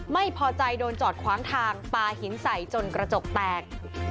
ไม่พอใจโดนจอดขวางทางปลาหินใส่จนกระจกแตก